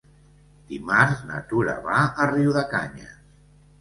Dimarts na Tura va a Riudecanyes.